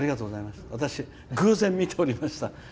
私、偶然、見ておりました。